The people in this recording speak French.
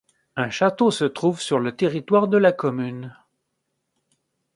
Un château se trouve sur le territoire de la commune.